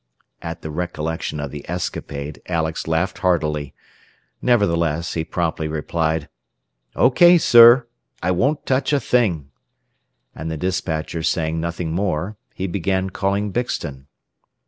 At the recollection of the escapade Alex laughed heartily. Nevertheless he promptly replied, "OK, sir. I won't touch a thing." And the despatcher saying nothing more, he began calling Bixton.